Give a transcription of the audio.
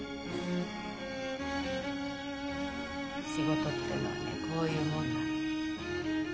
仕事ってのはねこういうもんなの。